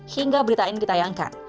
hingga berita ini ditayangkan